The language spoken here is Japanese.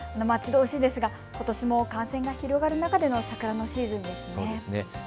待ち遠しいですがことしも感染が広がる中での桜のシーズンですね。